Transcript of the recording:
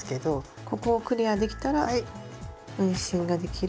ここをクリアできたら運針ができる。